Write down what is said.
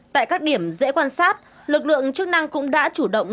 tại các điểm dễ quan sát lực lượng chức năng cũng đã chủ động